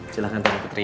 silahkan tuan putri